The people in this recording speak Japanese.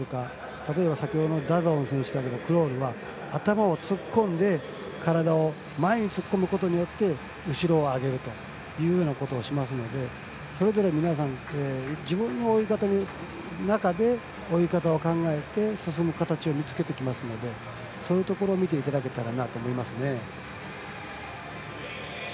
例えば先ほどのダダオン選手のクロールは頭を突っ込んで体を前に突っ込むことによって後ろを上げるというようなことをしますのでそれぞれ、皆さん自分の泳ぎ方の中で追い方を考えて進む形を見つけてきますのでそういうところを見てもらえたらなと思いますね。